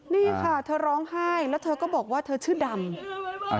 นี่ค่ะเธอร้องไห้แล้วเธอก็บอกว่าเธอชื่อดำ